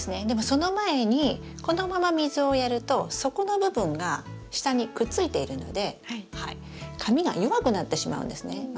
でもその前にこのまま水をやると底の部分が下にくっついているので紙が弱くなってしまうんですね。